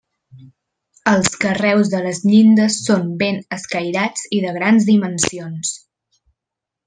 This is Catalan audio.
Els carreus de les llindes són ben escairats i de grans dimensions.